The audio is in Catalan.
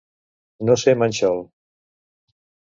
No ser manxol.